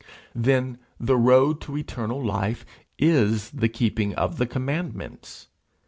Then the road to eternal life is the keeping of the commandments!